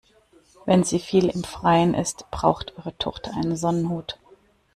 Wenn sie viel im Freien ist, braucht eure Tochter einen Sonnenhut.